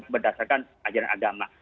berdasarkan ajaran agama